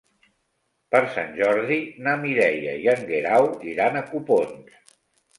Per Sant Jordi na Mireia i en Guerau iran a Copons.